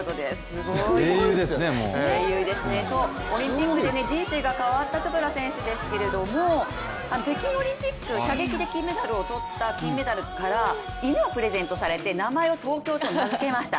オリンピックで人生が変わったチョプラ選手ですけれども、北京オリンピック、射撃で金メダルを取った金メダルから犬をプレゼントされて、名前を東京と名付けました。